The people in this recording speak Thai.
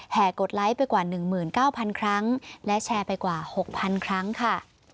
กดไลค์ไปกว่า๑๙๐๐ครั้งและแชร์ไปกว่า๖๐๐๐ครั้งค่ะ